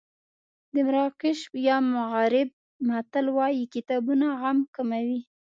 د مراکش یا مغرب متل وایي کتابونه غم کموي.